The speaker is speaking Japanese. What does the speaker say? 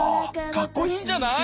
かっこいいんじゃない？